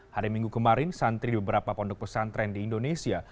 hari minggu kemarin santri di beberapa pondok pesantren di indonesia